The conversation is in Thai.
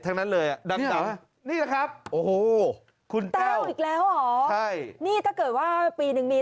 ทั้งนั้นเลยอ่ะดำนี่แหละครับโอ้โหคุณแต้วอีกแล้วเหรอใช่นี่ถ้าเกิดว่าปีนึงมี